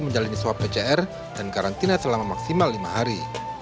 menjalani swab pcr dan karantina selama maksimal lima hari